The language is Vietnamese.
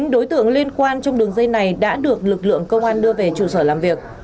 chín đối tượng liên quan trong đường dây này đã được lực lượng công an đưa về trụ sở làm việc